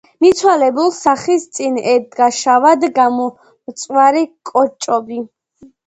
მიცვალებულს სახის წინ ედგა შავად გამომწვარი კოჭობი.